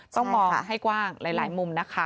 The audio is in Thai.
ต้องมองให้กว้างหลายมุมนะคะ